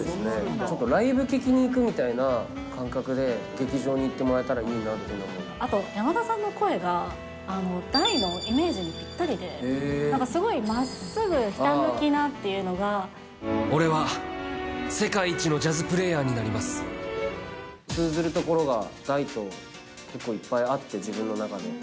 ちょっとライブ聴きにいくみたいな感覚で、劇場に行ってもらえたあと、山田さんの声が、大のイメージにぴったりで、なんかすごいまっすぐ、ひたむき俺は世界一のジャズプレーヤ通ずるところが大と結構いっぱいあって、自分の中で。